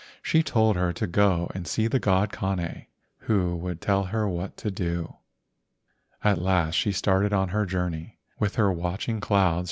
She told her to go and see the god Kane, who would tell her what to do. At last she started on her journey with her watching clouds.